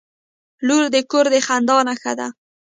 • لور د کور د خندا نښه ده.